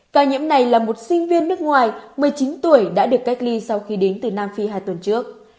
ca nhiễm này là một sinh viên nước ngoài một mươi chín tuổi đã được cách ly sau khi đến từ nam phi hai tuần trước